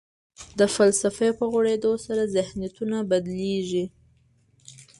د فلسفې په غوړېدو سره ذهنیتونه بدلېږي.